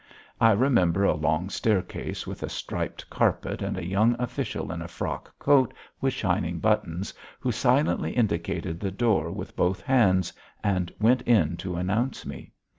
I remember a long staircase with a striped carpet, and a young official in a frock coat with shining buttons, who silently indicated the door with both hands and went in to announce me.